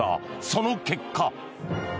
その結果。